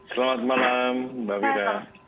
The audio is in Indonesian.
selamat malam mbak wira